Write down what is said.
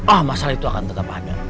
ah masalah itu akan tetap ada